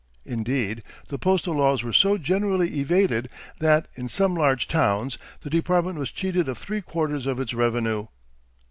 Indeed, the postal laws were so generally evaded that, in some large towns, the department was cheated of three quarters of its revenue.